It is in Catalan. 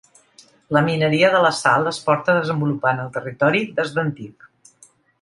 La mineria de la sal es porta desenvolupant al territori des d’antic.